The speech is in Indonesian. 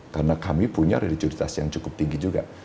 karena kami punya religiositas yang cukup tinggi juga